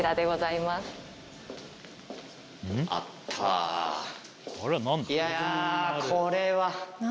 いやこれは。